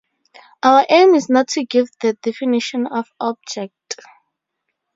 Our aim is not to give the definition of "object".